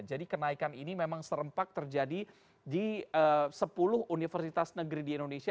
jadi kenaikan ini memang serempak terjadi di sepuluh universitas negeri di indonesia